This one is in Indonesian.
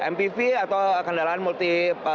mpv atau kendaraan multi